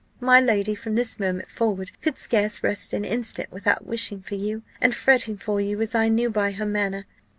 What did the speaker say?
My lady from this moment forward could scarce rest an instant without wishing for you, and fretting for you as I knew by her manner.